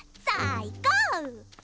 さあいこう！